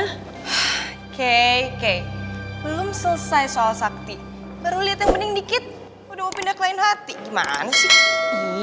oke oke belum selesai soal sakti baru lihat yang penting dikit udah mau pindah ke lain hati gimana sih